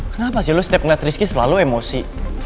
kenapa sih lo setiap ngeliat rizky selalu emosi